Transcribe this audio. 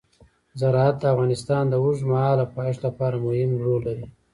زراعت د افغانستان د اوږدمهاله پایښت لپاره مهم رول لري.